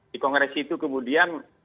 di kongres itu kemudian